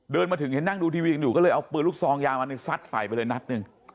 เดินมาถึงให้นั่งดูทีวีอยู่เลยเอาเปลือนลูกทรองยาวมันเศรษฐ์ใส่เลยอยู่หนัดหนึ่ง